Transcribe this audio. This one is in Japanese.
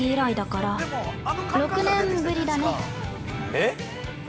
えっ！？